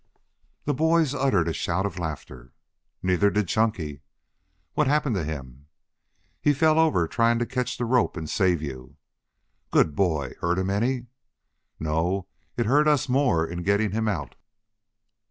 The boys uttered a shout of laughter. "Neither did Chunky." "What happened to him?" "He fell over in trying to catch the rope and save you." "Good boy! Hurt him any?" "No. It hurt us more in getting him out."